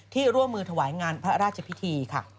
ที่ร่วมมือถวายงานพระราชพิธี